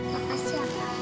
makasih ya kak